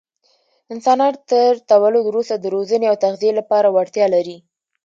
انسانان تر تولد وروسته د روزنې او تغذیې لپاره وړتیا لري.